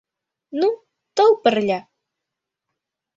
Ну, тол пырля!